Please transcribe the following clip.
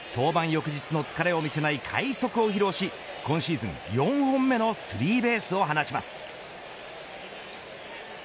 翌日の疲れを見せない快足を披露し今シーズン４本目のスリーベースを放ちます。